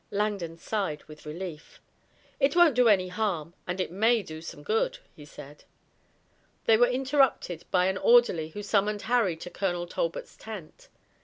Langdon sighed with relief. "It won't do any harm and it may do some good," he said. They were interrupted by an orderly who summoned Harry to Colonel Talbot's tent.